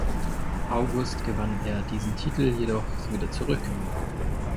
August gewann er diesen Titel jedoch wieder zurück.